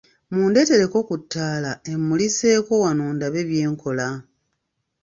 Mundeetereko ku ttaala emmuliseeko wano ndabe bye nkola.